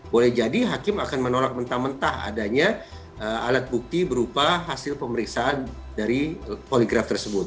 boleh jadi hakim akan menolak mentah mentah adanya alat bukti berupa hasil pemeriksaan dari poligraf tersebut